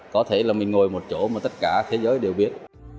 có thể là mình ngồi một chỗ mà tất cả thế giới đều biết